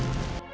sampai dekat kak